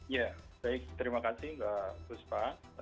ya baik terima kasih mbak puspa